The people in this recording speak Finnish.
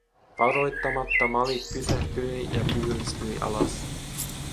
Varoittamatta Malik pysähtyi ja kyyristyi alas.